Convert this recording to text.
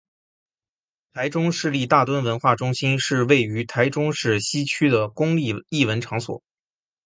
台中市立大墩文化中心是位于台中市西区的公立艺文场所。